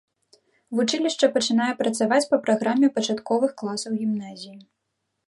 Вучылішча пачынае працаваць па праграме пачатковых класаў гімназіі.